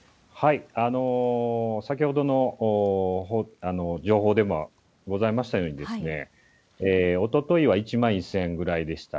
先ほどの情報でもございましたように、おとといは１万１０００ぐらいでした。